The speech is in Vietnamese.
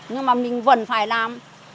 nhưng mà mình vẫn phải làm